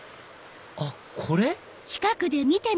あっこれ？